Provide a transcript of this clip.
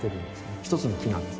一つの木なんです。